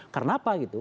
karena apa gitu